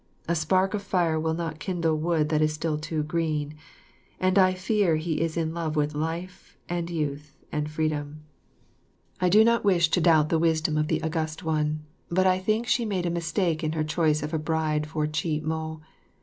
A spark of fire will not kindle wood that is still too green, and I rear he is in love with life, and youth, and freedom. I do not wish to doubt the wisdom of the August One, but I think she made a mistake in her choice of a bride for Chih mo.